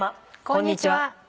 こんにちは。